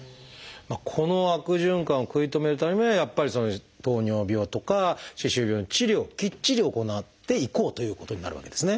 この悪循環を食い止めるためにはやっぱり糖尿病とか歯周病の治療をきっちり行っていこうということになるわけですね。